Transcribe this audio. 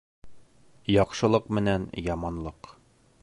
ЯҠШЫЛЫҠ МЕНӘН ЯМАНЛЫҠ